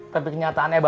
tapi kenyataannya bapak